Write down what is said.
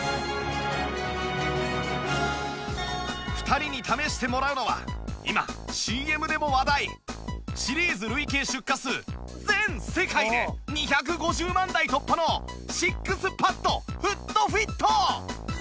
２人に試してもらうのは今 ＣＭ でも話題シリーズ累計出荷数全世界で２５０万台突破の ＳＩＸＰＡＤ フットフィット！